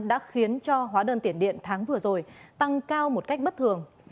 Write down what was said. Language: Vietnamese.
đã khiến cho hóa đơn tiền điện tháng vừa rồi tăng cao một cách bất thường